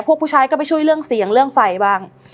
ผู้ชายก็ไปช่วยเรื่องเสียงเรื่องไฟบ้าง